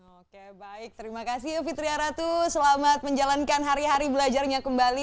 oke baik terima kasih fitria ratu selamat menjalankan hari hari belajarnya kembali